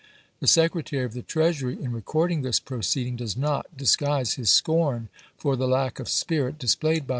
The Secretary of the Chase's Trcasury in recording this proceeding does not dis ^FaTdin, guise Ms scom for the lack of spirit displayed by eise^.